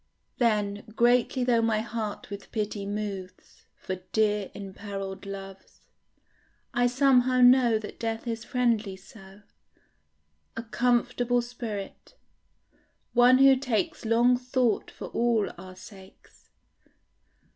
Then, greatly though my heart with pity moves For dear imperilled loves, I somehow know That death is friendly so, A comfortable spirit; one who takes Long thought for all our sakes.